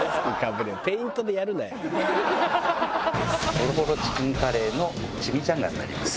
ほろほろチキンカレーのチミチャンガになります。